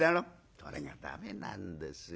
「それが駄目なんですよ。